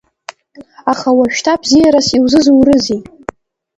Аха уажәшьҭа бзиарас иузызурызеи?